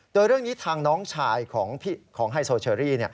โดยเรื่องนี้ทางน้องชายของไฮโซเชอรี่